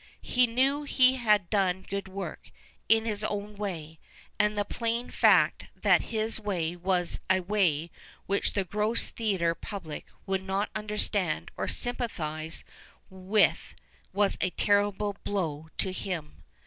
" He knew he had done good work, in his own way, and the plain fact that his way was a way whieh the gross theatre public would not understand or sympathize with was a terrible blow to him.